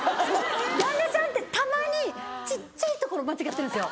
旦那さんってたまに小っちゃいところ間違ってるんですよ。